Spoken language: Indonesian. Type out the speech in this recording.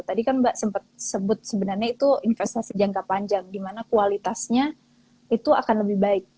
tadi kan mbak sempat sebut sebenarnya itu investasi jangka panjang di mana kualitasnya itu akan lebih baik